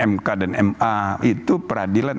mk dan ma itu peradilan